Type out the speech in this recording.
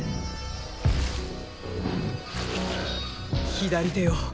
左手よ